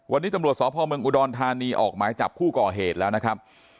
วันนี้ตำรวจสพเมืองอุดรธานีออกหมายจับผู้ก่อเหตุแล้วนะครับ